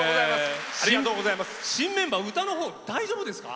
新メンバー歌のほう大丈夫ですか？